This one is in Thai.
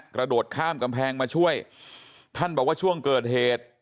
กระโดดข้ามกำแพงมาช่วยท่านบอกว่าช่วงเกิดเหตุ